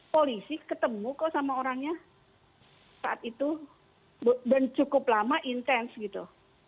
polisi ketemu kok sama orangnya saat itu dan cukup lama intens gitu